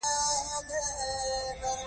قلم دې نه زړه کېږي چې رايې کړئ.